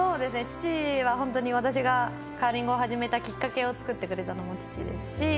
父はホントに私がカーリングを始めたきっかけをつくってくれたのも父ですし。